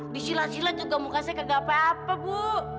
disilah silah juga muka saya kagak apa apa bu